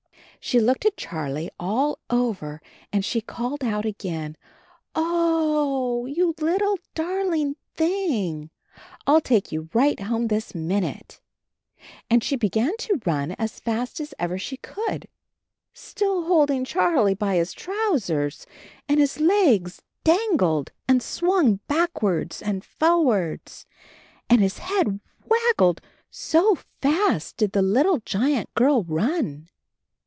She looked at Charlie all over and she called out again: "O o o o, you little dar ling thing. I'll take you right home this minute." And she began to run as fast as ever she could, still holding Charlie by his trousers, and his legs dangled and swung 6 CHARLIE backwards and forwards and his head wag gled, so fast did the little giant girl run.